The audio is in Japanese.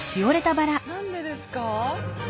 何でですか？